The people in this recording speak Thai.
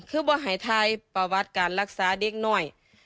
คือบอกให้ทายประวัติการรักษาเด็กหน่อย